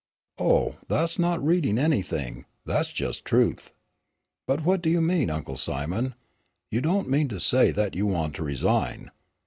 "Oh, that's not reading anything, that's just truth. But what do you mean, Uncle Simon, you don't mean to say that you want to resign.